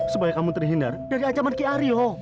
supaya kamu terhindar dari ancaman ki aryo